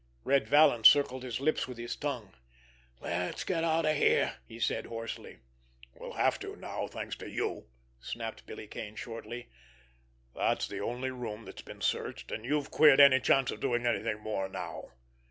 Red Vallon circled his lips with his tongue. "Let's get out of here!" he said hoarsely. "We'll have to now, thanks to you!" snapped Billy Kane shortly. "That's the only room that's been searched, and you've queered any chance of doing anything more now."